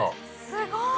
すごい！